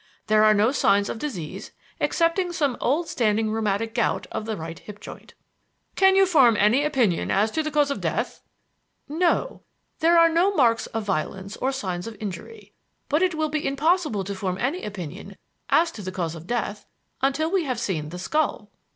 There are no signs of disease excepting some old standing rheumatic gout of the right hip joint." "Can you form any opinion as to the cause of death?" "No. There are no marks of violence or signs of injury. But it will be impossible to form any opinion as to the cause of death until we have seen the skull."